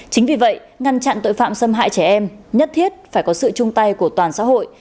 chính vì vậy ngăn chặn tội phạm xâm hại trẻ em nhất thiết phải có sự chung tay của toàn xã hội